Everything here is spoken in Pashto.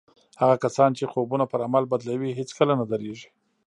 هغه کسان چې خوبونه پر عمل بدلوي هېڅکله نه درېږي.